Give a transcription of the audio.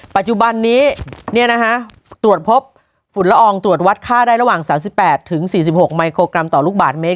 ปัจจุบันนี้ตรวจพบฝุ่นละอองตรวจวัดค่าได้ระหว่าง๓๘๔๖มิโครกรัมต่อลูกบาทเมต